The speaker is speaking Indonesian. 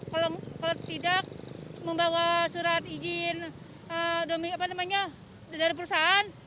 kalau tidak membawa surat izin dari perusahaan